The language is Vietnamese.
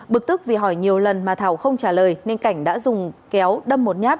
bực tức vì hỏi nhiều lần mà thảo không trả lời nên cảnh đã dùng kéo đâm một nhát